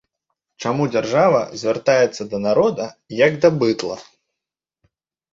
Чаму дзяржава звяртаецца да народа, як да быдла?